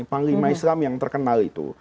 panglima islam yang terkenal itu